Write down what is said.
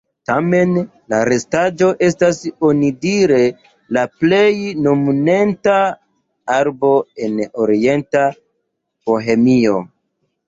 Tamen la restaĵo estas onidire la plej monumenta arbo en orienta Bohemio.